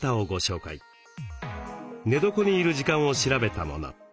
寝床にいる時間を調べたもの。